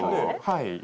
はい。